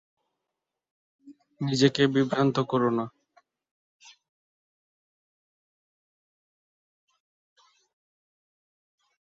নিজেকে বিভ্রান্ত কোরো না।